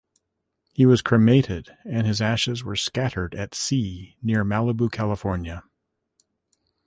He was cremated and his ashes were "scattered" at sea near Malibu, California.